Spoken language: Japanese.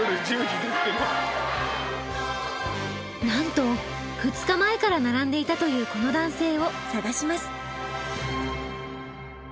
なんと２日前から並んでいたというこの男性を探します。